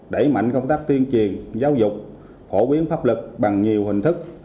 để mạnh công tác tuyên truyền giáo dục hỗ biến pháp lực bằng nhiều hình thức